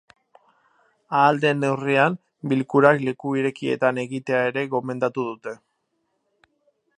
Ahal den neurrian bilkurak leku irekietan egitea ere gomendatu dute.